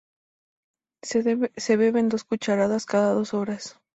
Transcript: Se beben dos cucharadas cada dos horas.